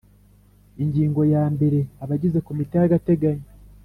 Ingingo ya mbere Abagize Komite yagategenyo